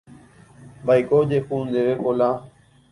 Mba'éiko ojehu ndéve Kola.